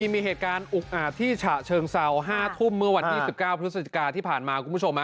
มีเหตุการณ์อุกอ่าที่ฉะเชิงเซาห้าทุ่มเมื่อวัน๒๙พฤศจิกาที่ผ่านมา